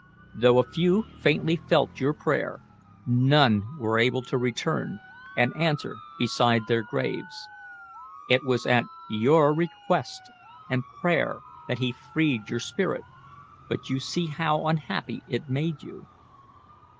Though a few faintly felt your prayer, none were able to return and answer beside their graves. It was at your request and prayer that He freed your spirit, but you see how unhappy it made you."